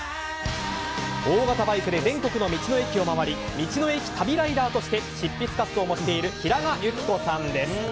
大型バイクで全国の道の駅を回り道の駅旅ライダーとして執筆活動もしている平賀由希子さんです。